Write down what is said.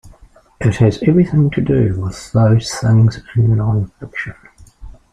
It has everything to do with those things in nonfiction.